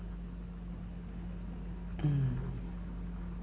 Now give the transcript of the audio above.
うん。